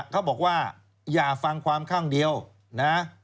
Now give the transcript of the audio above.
เขาบอกว่าอย่าฟังความข้างเดียวนะ